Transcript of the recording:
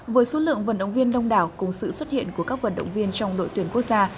với số lượng vận động viên đông đảo cùng sự xuất hiện của các vận động viên trong đội tuyển quốc gia